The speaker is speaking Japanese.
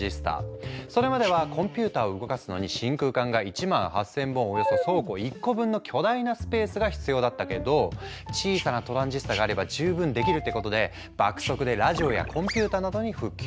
それまではコンピューターを動かすのに真空管が１万８，０００本およそ倉庫１個分の巨大なスペースが必要だったけど小さなトランジスタがあれば十分できるってことで爆速でラジオやコンピューターなどに普及。